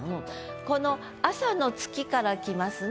この朝の月からきますね。